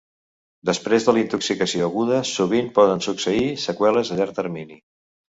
Després de la intoxicació aguda, sovint poden succeir seqüeles a llarg termini.